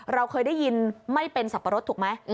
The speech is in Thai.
เราเคยได้ยินไม่เป็นสับปะรดถูกไหม